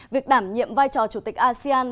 việc đảm nhiệm vai trò chủ tịch asean